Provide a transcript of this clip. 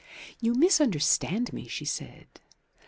"You misunderstand me," she said.